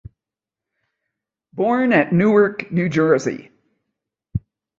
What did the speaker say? Born at Newark, N. J.